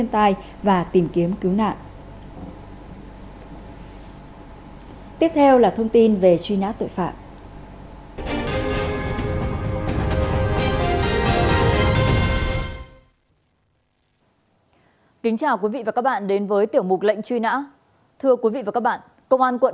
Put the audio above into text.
tiếp theo là thông tin về truy nã tội phạm